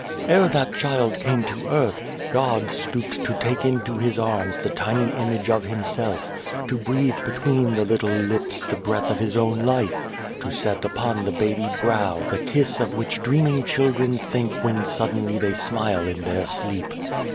"Ere that child came to earth, God stooped to take into His arms the tiny image of Him self, to breathe between the little lips the breath of His own life, to set upon the baby brow the kiss of which dreaming children think when suddenly they smile in their sleep.